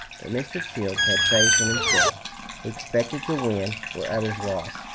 But Mr. Childs had faith in himself. He expected to win where others lost.